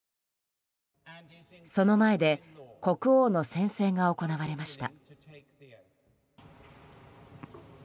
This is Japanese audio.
その前で国王の宣誓が行われました。